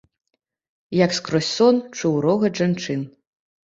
Як скрозь сон чуў рогат жанчын.